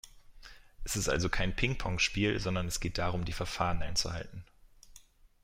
Es ist also kein Ping-Pong-Spiel, sondern es geht darum, die Verfahren einzuhalten.